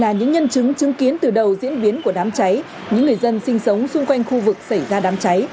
là những nhân chứng chứng kiến từ đầu diễn biến của đám cháy những người dân sinh sống xung quanh khu vực xảy ra đám cháy